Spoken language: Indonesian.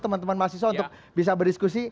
teman teman mahasiswa untuk bisa berdiskusi